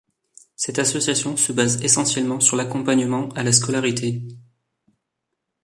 Cette association se base essentiellement sur l’accompagnement à la scolarité.